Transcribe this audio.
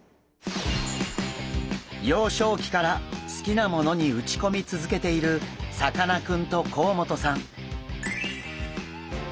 幼少期から好きなものに打ち込み続けているさかなクンと甲本さん。